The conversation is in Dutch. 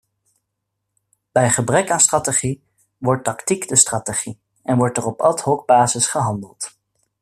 Bij gebrek aan strategie wordt tactiek de strategie en wordt er op ad-hocbasis gehandeld.